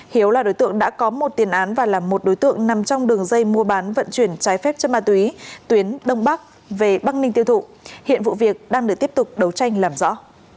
hiếu là đối tượng đã có một tiền án và là một đối tượng nằm trong đường dây mua bán vận chuyển trái phép chất ma túy tuyến đông bắc về bắc ninh tiêu thụ hiện vụ việc đang được tiếp tục đấu tranh làm rõ